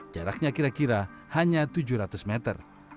jaraknya kira kira hanya tujuh ratus meter